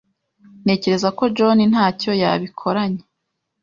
Ntekereza ko john ntacyo yabikoranye.